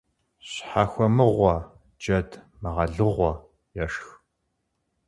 Щхьэхуэмыгъуэ джэд мыгъэлыгъуэ ешх.